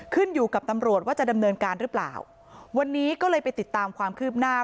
ขึ้นอยู่กับตำรวจว่าจะดำเนินการหรือเปล่าวันนี้ก็เลยไปติดตามความคืบหน้า